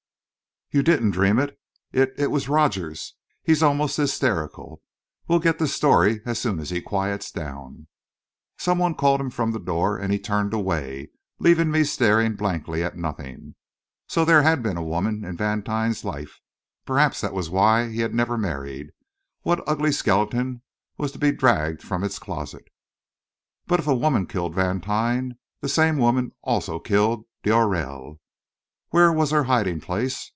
"You didn't dream it it was Rogers he's almost hysterical. We'll get the story, as soon as he quiets down." Someone called him from the door, and he turned away, leaving me staring blankly at nothing. So there had been a woman in Vantine's life! Perhaps that was why he had never married. What ugly skeleton was to be dragged from its closet? But if a woman killed Vantine, the same woman also killed d'Aurelle. Where was her hiding place?